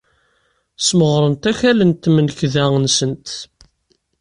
Ssmeɣrent akal n temnekda-nsent.